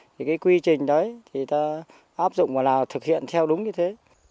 thì cái quy trình đấy thì ta áp dụng và là thực hiện theo đúng như thế